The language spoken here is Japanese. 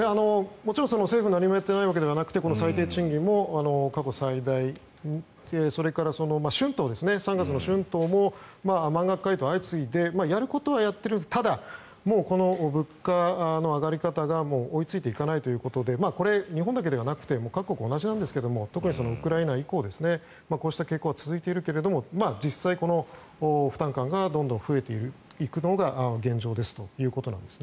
もちろん政府は何もやってないわけではなくてこの最低賃金も過去最大でそれから３月の春闘も満額回答が相次いでやることはやってるんですがただ、物価の上がり方が追いついていかないということでこれ、日本だけではなくて各国同じなんですが特にウクライナ以降こうした傾向が続いているけども実際、負担感がどんどん増えていくのが現状ですということです。